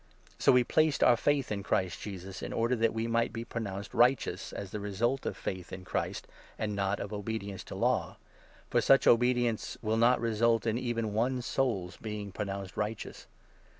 So we placed our faith in Christ Jesus, in order that we might be pronounced righteous, as the result of faith in Christ, and not of obedience to Law ; for such obedience ' will not result in even one soul's being pronounced righteous.'